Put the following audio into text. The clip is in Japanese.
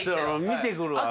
見てくるわ。